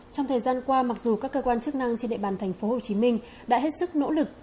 trong thời gian qua mặc dù các cơ quan chức năng trên địa bàn tp hcm đã hết sức nỗ lực